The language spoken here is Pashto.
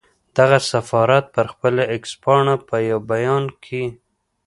دغه سفارت پر خپله اېکس پاڼه په یو بیان کې